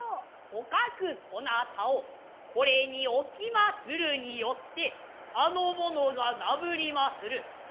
とかくこなたをこれに置きまするによってあの者が嬲りまする。